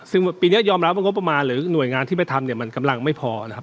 ซึ่งปีนี้ยอมรับว่างบประมาณหรือหน่วยงานที่ไปทำเนี่ยมันกำลังไม่พอนะครับ